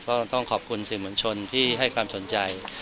ก็ต้องขอบคุณสื่อมวลชนที่ให้ความสนใจ